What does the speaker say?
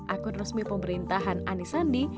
akun resmi pemerintahan anies sandi